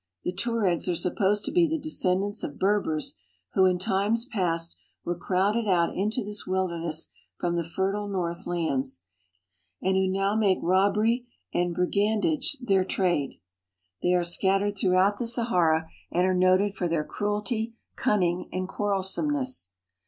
Tueregs are supposed to be the descendants of Jerbers who in times past were crowded out into this irilderness from the fertile north lands, and who now make robbery and brigandage their trade. They are scat tered throughout the Sahara and are noted for their cruelty, cunning, and quarrelsomeness.